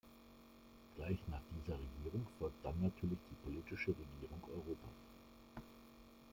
Gleich nach dieser Regierung folgt dann natürlich die politische Regierung Europas.